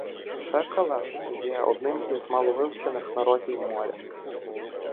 Шекелеш є одним із маловивчених народів моря.